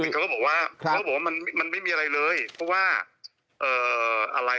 เขาก็บอกว่ามันไม่มีอะไรเลยเพราะว่าอะไร